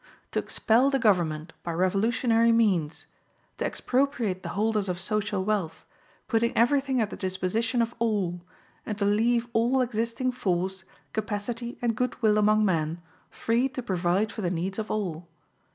To expel the government by revolutionary means, to expropriate the holders of social wealth, putting everything at the disposition of all, and to leave all existing force, capacity and good will among men free to provide for the needs of all.